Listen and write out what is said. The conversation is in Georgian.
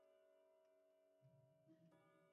საკურთხევლის შუაში დგას მთლიანი ქვის ტრაპეზი.